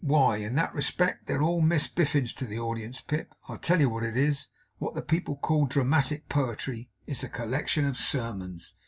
Why, in that respect they're all Miss Biffins to the audience, Pip. I'll tell you what it is. What the people call dramatic poetry is a collection of sermons.